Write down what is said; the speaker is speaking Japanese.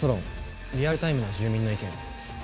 リアルタイムの住民の意見を。